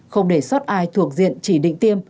không để sót ai thuộc diện chỉ định tiêm